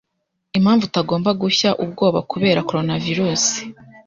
Impamvu utagomba gushya ubwoba kubera coronavirus